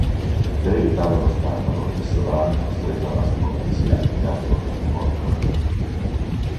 Per evitare uno scandalo, il sovrano è costretto a nascondersi all'interno del forno.